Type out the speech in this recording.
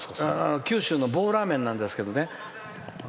九州の棒ラーメンなんですけどね。